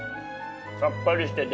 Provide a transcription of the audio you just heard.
さっぱりしてて。